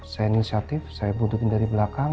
saya inisiatif saya bunuh dia dari belakang